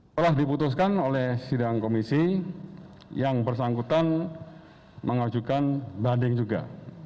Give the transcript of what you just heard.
telah diputuskan oleh sidang komisi yang bersangkutan mengajukan banding juga